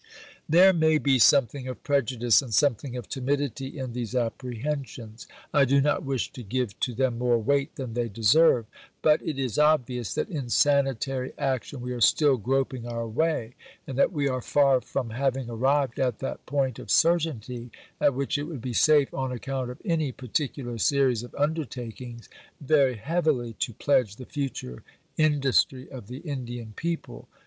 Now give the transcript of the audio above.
There may be something of prejudice and something of timidity in these apprehensions. I do not wish to give to them more weight than they deserve. But it is obvious that in sanitary action we are still groping our way, and that we are far from having arrived at that point of certainty at which it would be safe, on account of any particular series of undertakings, very heavily to pledge the future industry of the Indian people.